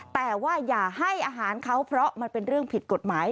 แต่ว่าอย่าให้อาหารเขาเพราะมันเป็นเรื่องผิดกฎหมาย